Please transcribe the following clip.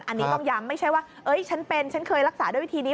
อันนี้ต้องย้ำไม่ใช่ว่าฉันเป็นฉันเคยรักษาด้วยวิธีนี้